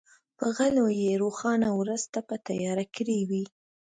په غلو یې روښانه ورځ تپه تیاره کړې وه.